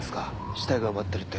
死体が埋まってるって。